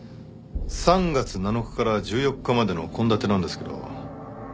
３月７日から１４日までの献立なんですけどその期間